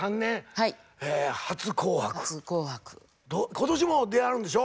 今年も出はるんでしょ？